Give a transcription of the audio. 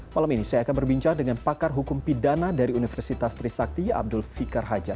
malam ini saya akan berbincang dengan pakar hukum pidana dari universitas trisakti abdul fikar hajar